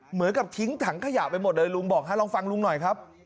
เหมือนกับทิ้งถังขยะไปหมดเลยลุงบอกฮะลองฟังลุงหน่อยครับ